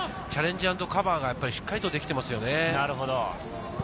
チャレンジアンドカバーがしっかりとできていますよね。